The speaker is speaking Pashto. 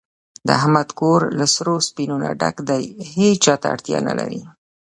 د احمد کور له سرو سپینو نه ډک دی، هېچاته اړتیا نه لري.